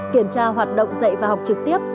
kiểm tra hoạt động dạy và học trực tiếp